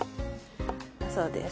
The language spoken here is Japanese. そうです。